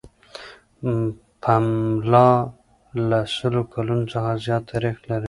پملا له سلو کلونو څخه زیات تاریخ لري.